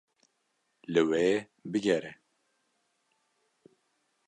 Li wê bigere.